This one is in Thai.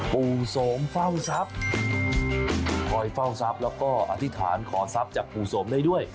ปู่โสมเฝ้าทรัพย์คอยเฝ้าทรัพย์แล้วก็อธิษฐานขอทรัพย์จากปู่สมได้ด้วย